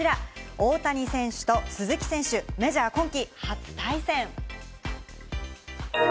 大谷選手と鈴木選手、メジャー今季初対戦。